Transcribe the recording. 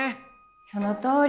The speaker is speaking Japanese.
そのとおり。